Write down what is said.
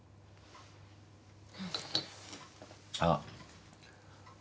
あっ。